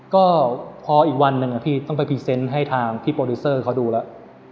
ก็พออีกวันหนึ่งพี่ต้องไปพรีเซนต์ให้ทางพี่โปรดิวเซอร์เขาดูแล้ว